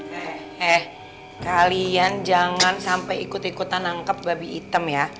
eh eh kalian jangan sampe ikut ikutan nangkep babi hitam ya